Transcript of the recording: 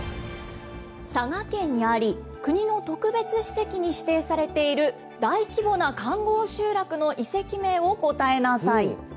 佐賀県にあり、国の特別史跡に指定されている大規模な環ごう集落の遺跡名を答えなさい。